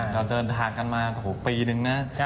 เราเดินทางกันมาปีนึงนะ